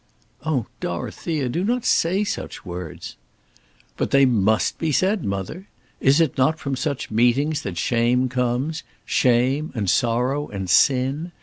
"Oh, Dorothea, do not say such words." "But they must be said, mother. Is it not from such meetings that shame comes, shame, and sorrow, and sin?